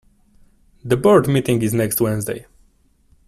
The board meeting is next Wednesday.